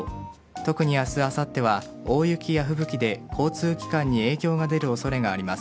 特に明日、あさっては大雪や吹雪で交通機関に影響が出る恐れがあります。